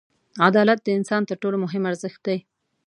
• عدالت د انسان تر ټولو مهم ارزښت دی.